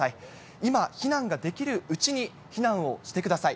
今、避難ができるうちに避難をしてください。